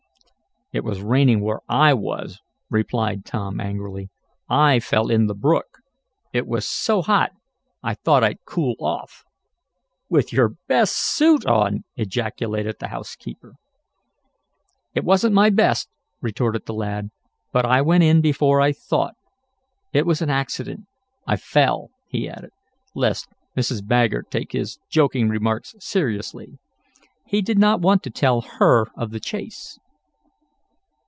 "It was raining where I was," replied Tom angrily. "I fell in the brook. It was so hot I thought I'd cool off." "With your best suit on!" ejaculated the housekeeper. "It isn't my best," retorted the lad. "But I went in before I thought. It was an accident; I fell," he added, lest Mrs. Baggert take his joking remarks seriously. He did not want to tell her of the chase.